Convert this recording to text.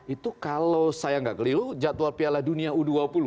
itu kalau saya nggak keliru jadwal piala dunia u dua puluh